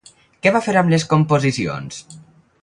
Què va fer amb les composicions?